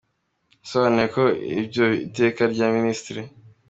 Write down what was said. Yasobanye ko ibyo Iteka rya Minisitiri.